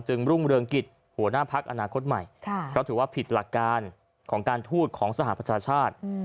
รุ่งเรืองกิจหัวหน้าพักอนาคตใหม่เพราะถือว่าผิดหลักการของการทูตของสหประชาชาติ